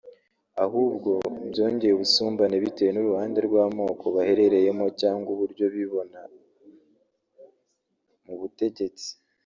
ahubwo byongera ubusumbane bitewe n’uruhande rw’amoko baherereyemo cyangwa uburyo bibona mubutegetsi